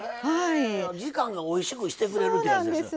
時間がおいしくしてくれるというやつ。